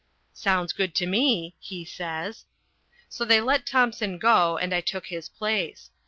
"Sounds good to me," he says. So they let Thompson go and I took his place.